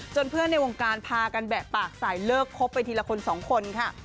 เพื่อนในวงการพากันแบะปากสายเลิกคบไปทีละคนสองคนค่ะ